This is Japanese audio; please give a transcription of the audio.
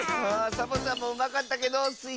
サボさんもうまかったけどスイ